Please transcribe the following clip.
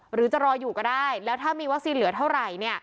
หรือจะรออยู่ก็ได้แล้วถ้ามีวัคซีนเหลือเท่าไหร่